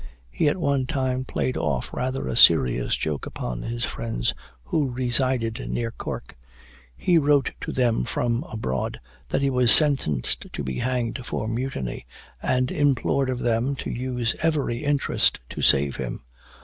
He at one time played off rather a serious joke upon his friends, who resided near Cork. He wrote to them from aboard that he was sentenced to be hanged for mutiny, and implored of them to use every interest to save him.